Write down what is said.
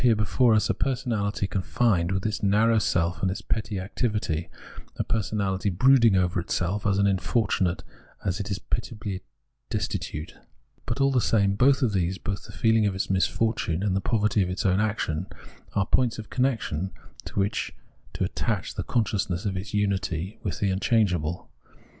The UnJmfpy Consciousness 21 5 before us merely a personality confined witliin its narrow self and its petty activity, a personality brood ing over itself, as unfortunate as it is pitiably destitute. But all tbe same both of these, both the feeling of its misfortune and the poverty of its own action, are points of connection to wbicb to attach the consciousness of its unity with the unchangeable.